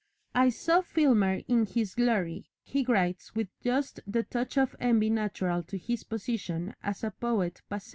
"I saw Filmer in his glory," he writes, with just the touch of envy natural to his position as a poet passe.